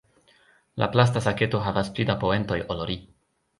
La plasta saketo havas pli da poentoj ol ri.